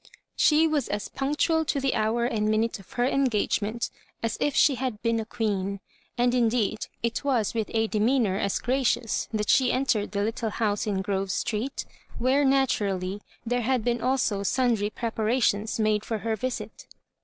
She was as punctual to the hour and minute of her engagement as if she had been a queen ; and, indeed, it was with a demea nour as gracious that she entered the little house in Grove Street, where, naturally, there had been also sundry preparations made fbr her visit.